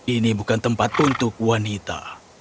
ini bukan tempat untuk wanita